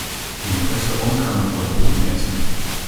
Im Restaurant kann man vom Boden essen.